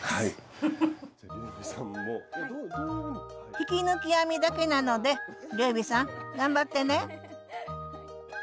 引き抜き編みだけなので龍美さん頑張ってね！